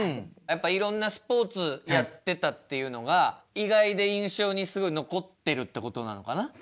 やっぱいろんなスポーツやってたっていうのが意外で印象にすごい残ってるってことなのかな？